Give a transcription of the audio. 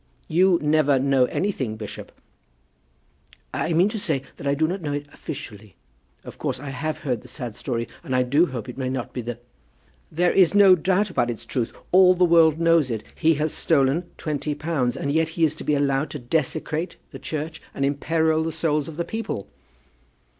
"You never know anything, bishop." "I mean to say that I do not know it officially. Of course I have heard the sad story; and, though I hope it may not be the " "There is no doubt about its truth. All the world knows it. He has stolen twenty pounds, and yet he is to be allowed to desecrate the Church, and imperil the souls of the people!"